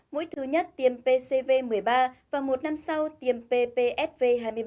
mũi thứ nhất tiêm pcv một mươi ba và một năm sau tiêm ppsv một mươi ba